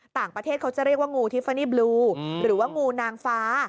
ต่างประเทศเขาจะเรียกว่างูทิฟฟานีบลูหรือว่างูนางฟ้า